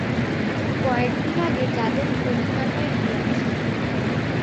কয়েক দিন আগে যাদব কলিকাতায় গিয়াছিলেন।